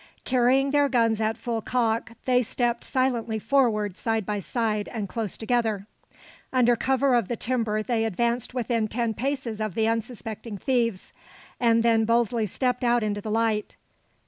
Carrying their guns at full cock, they stepped silently forward side by side and close together. Under cover of the timber they advanced within ten paces of the unsuspecting thieves, and then boldly stepped out into the light.